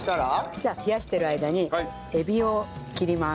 じゃあ冷やしてる間にエビを切ります。